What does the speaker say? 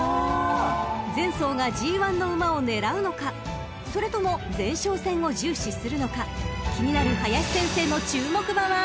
［前走がＧⅠの馬を狙うのかそれとも前哨戦を重視するのか気になる林先生の注目馬は］